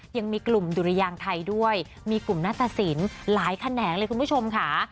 ยังมีกลุ่มดุรยางไทยด้วยมีกลุ่มหน้าตสินหลายแขนงเลยคุณผู้ชมค่ะ